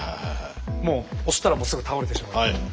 もう押したらすぐ倒れてしまう。